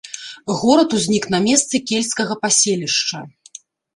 Горад узнік на месцы кельцкага паселішча.